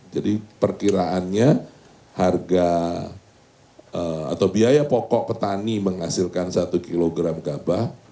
jadi perkiraannya harga atau biaya pokok petani menghasilkan satu kg gabah